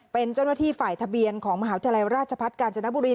เป็นเจ้าหน้าที่ฝ่ายทะเบียนของมหาวิทยาลัยราชพัฒน์กาญจนบุรี